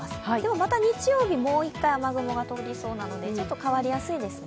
また日曜日、もう一回雨雲が通りそうなので変わりやすいですね。